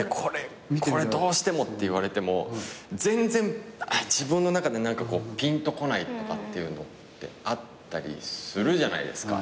「これどうしても」って言われても全然自分の中でぴんとこないとかっていうのってあったりするじゃないですか。